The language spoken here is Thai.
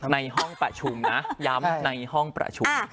ในห้องประชุมนะย้ำในห้องประชุม